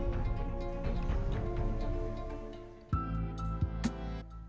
hampir membuat bali layaknya kota tak berpenghuni